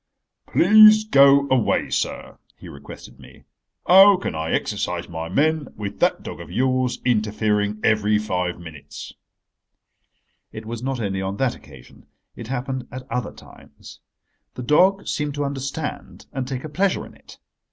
"Please go away, sir," he requested me. "How can I exercise my men with that dog of yours interfering every five minutes?" It was not only on that occasion. It happened at other times. The dog seemed to understand and take a pleasure in it.